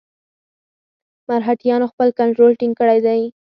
مرهټیانو خپل کنټرول ټینګ کړی دی.